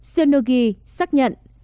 xionogi xác nhận